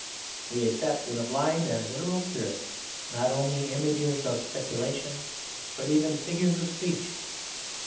We accept in a blind and literal spirit, not only images of speculation, but even figures of speech.